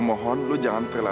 aku juga nggak mau